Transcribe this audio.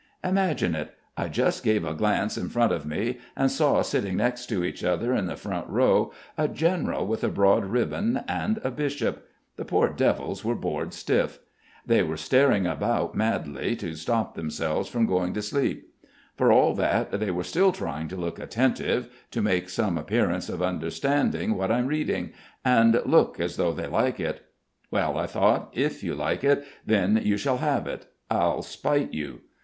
Imagine it. I just gave a glance in front of me and saw sitting next to each other in the front row a general with a broad ribbon and a bishop. The poor devils were bored stiff. They were staring about madly to stop themselves from going to sleep. For all that they are still trying to look attentive, to make some appearance of understanding what I'm reading, and look as though they like it. 'Well,' I thought, 'if you like it, then you shall have it. I'll spite you.'